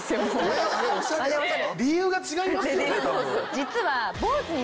実は。